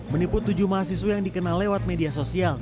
menipu tujuh mahasiswa yang dikenal lewat media sosial